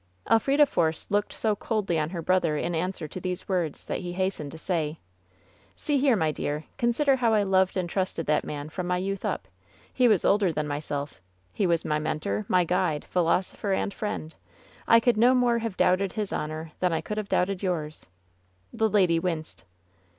Elfrida Force looked so coldly on her brother in an swer to these words that he hastened to say : "See here, my dear. Consider how I loved and trusted that man from my youth up. He was older than Myself • He was my mentor, my guide, philosopher and 800 LOVE'S BITTEREST CUP friend. I could no more have doubted his honor thim. I could have doubted yours.'' The lady winced.